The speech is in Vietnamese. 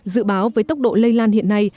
dự báo với tốc độ lây lan hiện nay